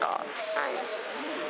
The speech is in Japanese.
はい。